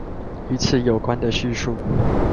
與此有關的敘述